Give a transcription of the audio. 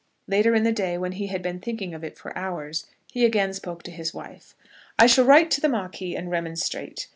Later in the day, when he had been thinking of it for hours, he again spoke to his wife. "I shall write to the Marquis and remonstrate.